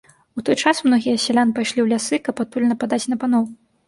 У той час многія з сялян пайшлі ў лясы, каб адтуль нападаць на паноў.